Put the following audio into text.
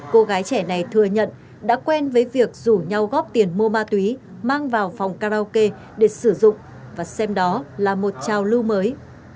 cô gái trẻ này thừa nhận đã quen với việc rủ nhau góp tiền mua ma túy mang vào phòng karaoke để sử dụng và xem đó là một trào lưu mới